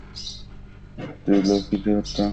ত্রিলোকিকে হত্যা করার চুক্তি করেছ?